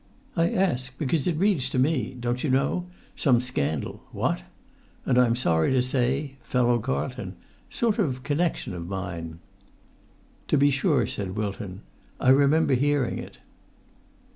"I ask because it reads to me——don't you know? Some scandal——what? And I'm sorry to say—fellow Carlton—sort of connection of mine." "To be sure," said Sir Wilton. "I remember hearing it."